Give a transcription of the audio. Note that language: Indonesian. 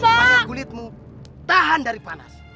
supaya kulitmu tahan dari panas